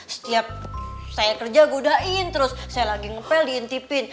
setiap saya kerja godain terus saya lagi ngepel diintipin